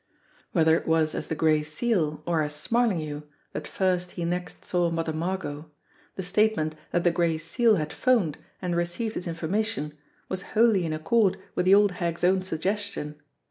Whether it was as the Gray Seal or as Smarlinghue that first he next saw Mother Margot, the statement that the Gray Seal had phoned and received his information was wholly in accord with the old hag's own suggestion.